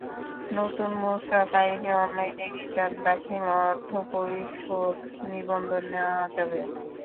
নতুন মূসক আইনে অনলাইনে রিটার্ন দাখিল, অর্থ পরিশোধ, নিবন্ধন নেওয়া যাবে।